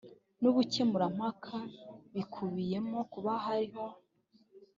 n ubukemurampaka bikubiyemo kuba hariho